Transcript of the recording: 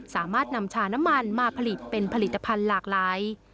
สามารถนำชาน้ำมันมาผลิตเป็นผลิตภัณฑ์หลากหลาย